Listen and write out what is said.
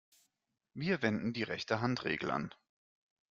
Wir wenden die Rechte-Hand-Regel an.